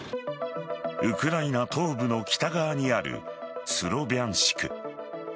ウクライナ東部の北側にあるスロビャンシク。